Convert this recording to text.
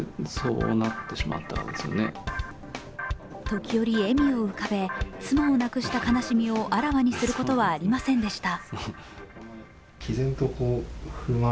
時折、笑みを浮かべ、妻を亡くした悲しみをあらわにすることはありませんでした。